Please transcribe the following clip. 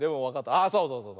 あっそうそうそう。